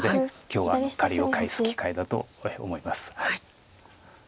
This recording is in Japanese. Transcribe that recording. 今日は借りを返す機会だと思います。